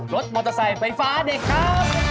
รถมอเตอร์ไซค์ไฟฟ้าเด็กครับ